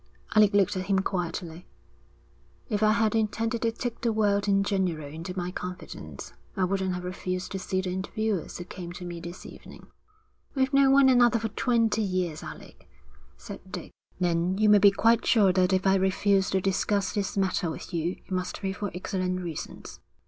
Alec looked at him quietly. 'If I had intended to take the world in general into my confidence, I wouldn't have refused to see the interviewers who came to me this evening.' 'We've known one another for twenty years, Alec,' said Dick. 'Then you may be quite sure that if I refuse to discuss this matter with you, it must be for excellent reasons.'